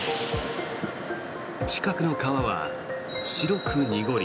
近くの川は白く濁り。